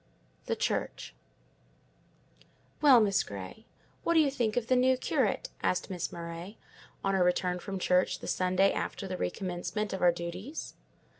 THE CHURCH "Well, Miss Grey, what do you think of the new curate?" asked Miss Murray, on our return from church the Sunday after the recommencement of our duties.